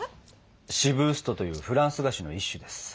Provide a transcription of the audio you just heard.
シブーストというフランス菓子の一種です。